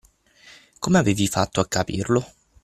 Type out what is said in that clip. Come avevi fatto a capirlo?